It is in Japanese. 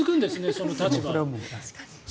その立場は。